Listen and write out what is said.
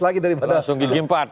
lagi daripada langsung gigi empat